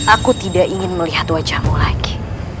aku tidak ingin melihat wajahmu lagi